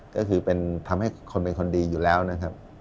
ก็คือเป็นทำให้คนเป็นคนดีอยู่แล้วนะครับ